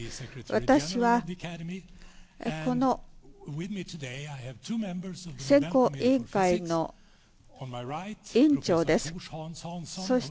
私はこの選考委員会の委員長です。